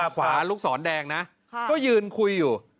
ขวาลูกศรแดงนะก็ยืนคุยอยู่